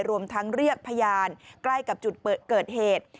รวมทั้งเรียกพยานใกล้กับจุดเกิดเหตุ